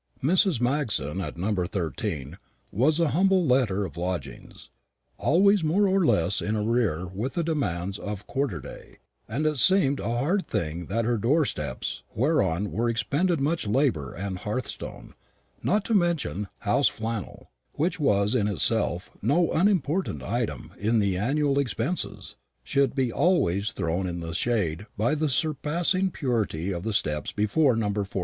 Mrs. Magson, at No. 13, was a humble letter of lodgings, always more or less in arrear with the demands of quarter day; and it seemed a hard thing that her door steps, whereon were expended much labour and hearthstone not to mention house flannel, which was in itself no unimportant item in the annual expenses should be always thrown in the shade by the surpassing purity of the steps before No. 14.